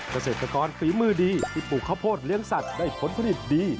เกษตรกรฝีมือดีที่ปลูกข้าวโพดเลี้ยงสัตว์ได้ผลผลิตดี